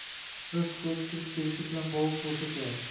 Rizq-ro’z kirib kelishi bilan bog’liq bulsa kerak.